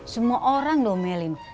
semua orang loh melin